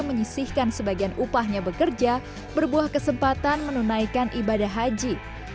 menyisihkan sebagian upahnya bekerja berbuah kesempatan menunaikan ibadah haji